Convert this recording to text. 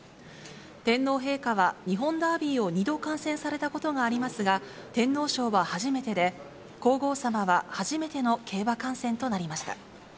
天皇陛下は、日本ダービーを２度観戦されたことがありますが、天皇賞は初めてで、皇后さまは初めての競馬観戦となりました。